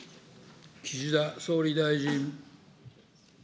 岸田総理大臣。